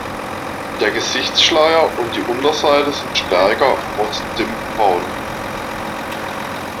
Der Gesichtsschleier und die Unterseite sind stärker rost-zimtbraun.